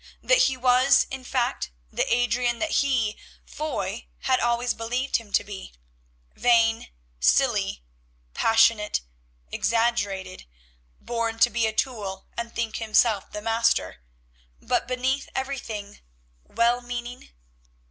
That he was, in fact, the Adrian that he, Foy, had always believed him to be, vain, silly, passionate, exaggerated, born to be a tool and think himself the master, but beneath everything, well meaning?